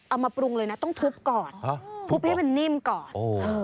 เอามาปรุงเลยนะต้องทุบก่อนทุบให้มันนิ่มก่อน